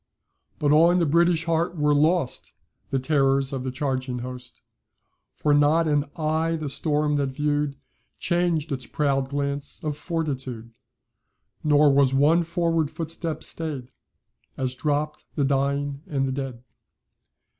"But on the British heart were lost The terrors of the charging host; For not an eye the storm that view'd Changed its proud glance of fortitude, Nor was one forward footstep staid, As dropp'd the dying and the dead.